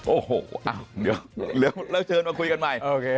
โอ้โหอ้าวเดี๋ยวแล้วเชิญมาคุยกันใหม่